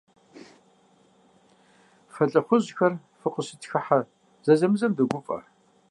Фэ лӀыхъужьхэр фыкъыщытхыхьэ зэзэмызэм догуфӀэ.